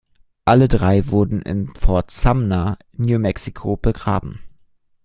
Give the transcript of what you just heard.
Alle drei wurden in Fort Sumner, New Mexico, begraben.